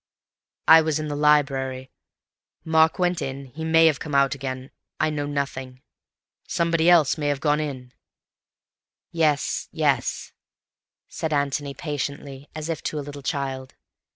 "I was in the library. Mark went in—he may have come out again—I know nothing. Somebody else may have gone in—" "Yes, yes," said Antony patiently, as if to a little child.